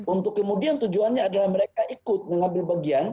untuk kemudian tujuannya adalah mereka ikut mengambil bagian